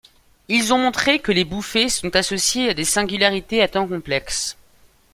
Ils ont montré que les bouffées sont associées à des singularités à temps complexes.